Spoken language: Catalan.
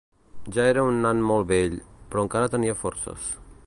Ja era un nan molt vell, però encara tenia forces.